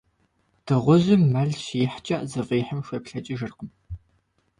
Дыгъужьым мэл щихькӏэ, зыфӏихьым хуеплӏэкӏыжыркъым.